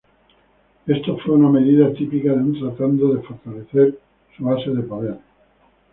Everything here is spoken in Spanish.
Esto fue una medida típica de un tratando de fortalecer su base de poder.